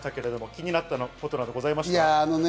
気になったことなど、ございましたか？